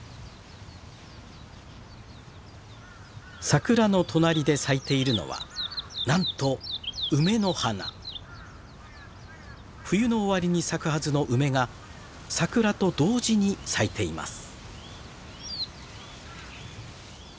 桜の隣で咲いているのはなんと冬の終わりに咲くはずの梅が桜と同時に咲いています。